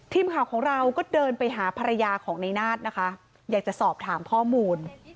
ทีมข่าวของเราก็เดินไปหาภรรยาของในนาฏนะคะอยากจะสอบถามข้อมูล